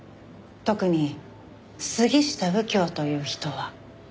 特に杉下右京という人は。